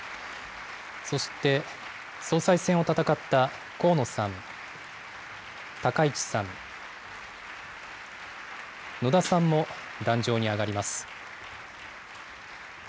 そして、総裁選を戦った河野さん、高市さん、野田さんも、壇上に上がります。